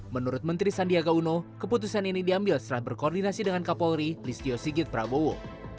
menurut menteri sandiaga uno keputusan ini diambil setelah berkoordinasi dengan kapolri listio sigit prabowo